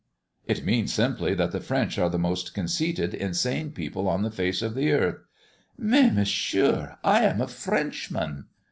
"It means simply that the French are the most conceited, insane people on the face of the earth." "Mais, Monsieur, I am a Frenchman!"